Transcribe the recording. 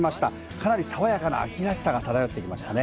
かなり爽やかな秋らしさが漂ってきましたね。